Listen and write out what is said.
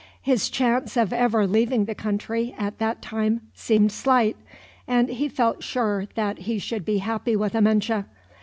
His chance of ever leaving the country, at that time, seemed slight; and he felt sure that he should be happy with Amenche.